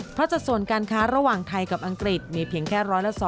เพราะสัดส่วนการค้าระหว่างไทยกับอังกฤษมีเพียงแค่๑๐๒